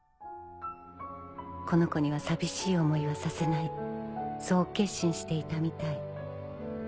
この子には寂しい思いはさせないそう決心していたみたい。